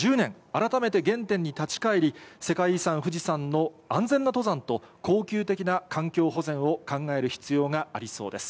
改めて原点に立ち返り、世界遺産、富士山の安全な登山と、恒久的な環境保全を考える必要がありそうです。